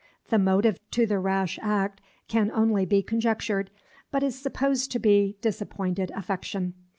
The motive to the rash act can only be conjectured, but is supposed to be disappointed affection.